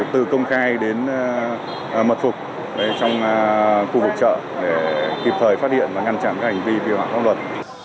từ công khai đến mật phục trong khu vực trợ để kịp thời phát hiện và ngăn chặn các hành vi vi hoạt động luật